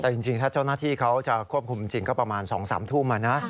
แต่จริงถ้าเจ้าหน้าที่เขาจะควบคุมจริงก็ประมาณ๒๓ทุ่ม